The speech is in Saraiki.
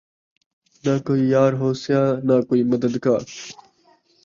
نہ کوئی یار ہوسیا، نہ کوئی مددگار ۔